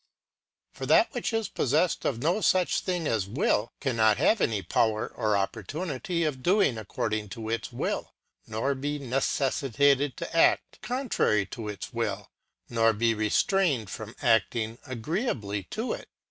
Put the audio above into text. For that which is possessed of no such thing as will, cannot have any power or opportunity of doing according to its will, nor be ne cessitated to act contrary to its will, nor be restrained from acting agreeably to it.